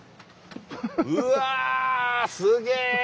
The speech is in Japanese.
うわ！すげ！